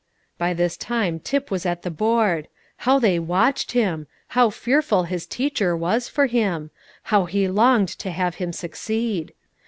By this time Tip was at the board. How they watched him! how fearful his teacher was for him! how he longed to have him succeed!